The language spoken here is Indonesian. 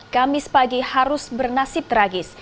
kamis pagi harus bernasib tragis